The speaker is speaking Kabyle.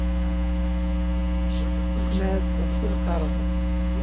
Ad ken-ɛasseɣ s lqerb.